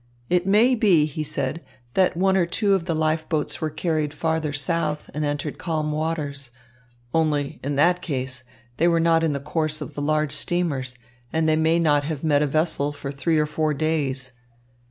"It may be," he said, "that one or two of the life boats were carried farther south and entered calm waters. Only, in that case, they were not in the course of the large steamers, and they may not have met a vessel for three or four days.